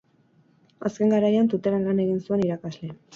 Azken garaian Tuteran lan egin zuen irakasle.